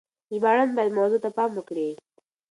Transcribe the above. ژباړن بايد موضوع ته پام وکړي.